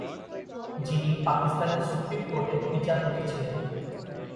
যিনি পাকিস্তানের সুপ্রিম কোর্টের বিচারপতি ছিলেন।